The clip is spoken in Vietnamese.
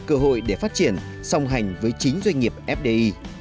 cơ hội để phát triển song hành với chính doanh nghiệp fdi